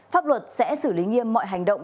pháp luật sẽ xử lý nghiêm mọi hành động